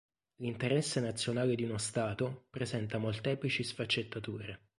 L'interesse nazionale di uno Stato presenta molteplici sfaccettature.